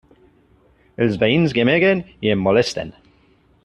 Els veïns gemeguen i em molesten.